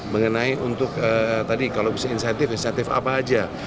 mengenai untuk tadi kalau bisa insentif insentif apa aja